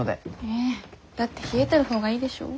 えだって冷えてる方がいいでしょ？